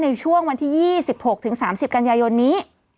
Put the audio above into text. ในช่วงวันที่๒๖๓๐กันยายนนี้